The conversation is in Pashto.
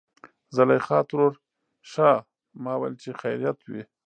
زليخا ترور :ښا ما ويل چې خېرت وي.